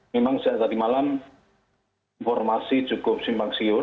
memang sejak tadi malam informasi cukup simpang siur